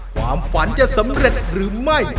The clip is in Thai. ความฝันจะสำเร็จหรือไม่